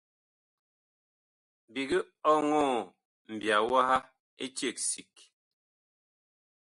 Biig ɔŋɔɔ mbiya waha eceg sig.